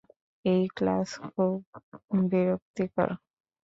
এই, ক্লাস খুব বিরক্তিকর।